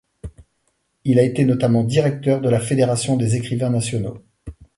Il a été notamment directeur de la Fédération des écrivains nationaux.